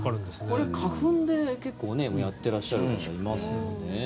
これ、花粉で結構やっていらっしゃる方いますよね。